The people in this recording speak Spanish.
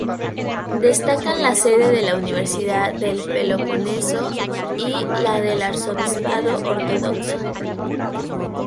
Destacan la sede de la Universidad del Peloponeso y la del arzobispado ortodoxo.